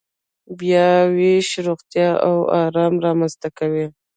بیاوېش روغتیا او ارامي رامنځته کوي.